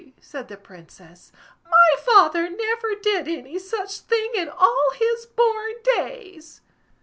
said the Princess; "my father never did any such thing in all his born days!"